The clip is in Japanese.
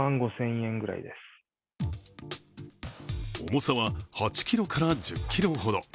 重さは８ｋｇから１０ｋｇほど。